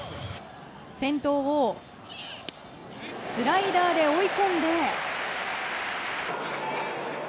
先頭をスライダーで追い込んで。